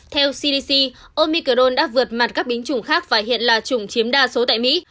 theo cdc omicron đã vượt mặt các biến chủng khác và hiện là chủng chiếm đa số tại mỹ